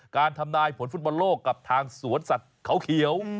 ทำนายผลฟุตบอลโลกกับทางสวนสัตว์เขาเขียว